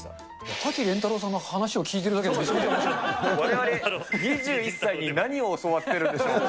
滝廉太郎さんの話を聞いてるわれわれ、２１歳に何を教わってるんでしょうね。